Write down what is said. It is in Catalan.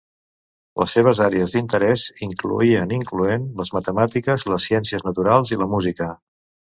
Les seves àrees d'interès incloïen incloent les matemàtiques, les ciències naturals i la música.